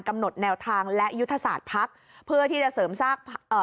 กำหนดแนวทางและยุทธศาสตร์พักเพื่อที่จะเสริมสร้างเอ่อ